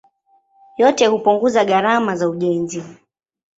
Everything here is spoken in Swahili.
Yote hupunguza gharama za ujenzi.